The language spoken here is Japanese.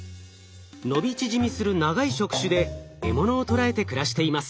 伸び縮みする長い触手で獲物を捕らえて暮らしています。